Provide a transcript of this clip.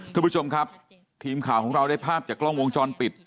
คุณผู้ชมครับทีมข่าวของเราได้ภาพจากกล้องวงจรปิด